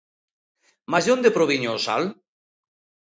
Mais de onde proviña o sal?